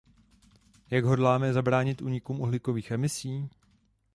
Jak hodláme zabránit únikům uhlíkových emisí?